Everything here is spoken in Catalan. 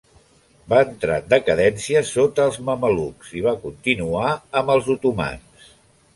Va entrar en decadència sota els mamelucs i va continuar amb els otomans.